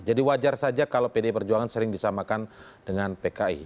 jadi wajar saja kalau pdip perjuangan sering disamakan dengan pki